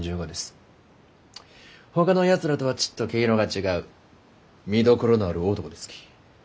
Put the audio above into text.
ほかのやつらとはちっと毛色が違う見どころのある男ですき。